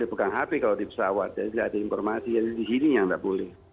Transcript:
tidak ada yang hapi kalau di pesawat jadi tidak ada informasi jadi di sini yang tidak boleh